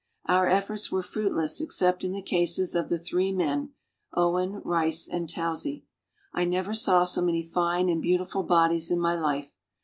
Our efforts were fruitless except in the cases of the three men, Owen, Rice and Towsey. I never saw so many fine and beautiful bodies in my life.